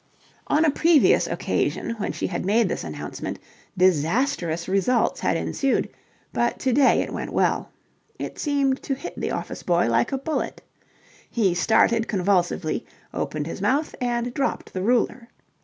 On a previous occasion when she had made this announcement, disastrous results had ensued; but to day it went well. It seemed to hit the office boy like a bullet. He started convulsively, opened his mouth, and dropped the ruler.